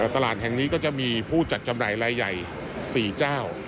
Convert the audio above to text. ตลาดแห่งนี้ก็จะมีผู้จัดจำหน่ายรายใหญ่๔เจ้า